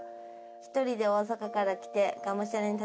「ひとりで大阪から来てがむしゃらに」